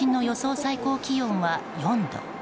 最高気温は４度。